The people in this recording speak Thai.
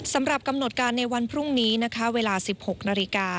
สำหรับกำหนดการในวันพรุ่งนี้นะคะเวลา๑๖นาฬิกา